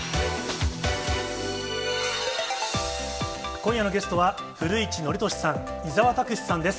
今夜のゲストは、古市憲寿さん、伊沢拓司さんです。